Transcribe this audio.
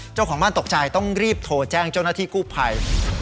เจ้าของบ้านตกใจต้องรีบโทรแจ้งเจ้าหน้าที่กู้ภัย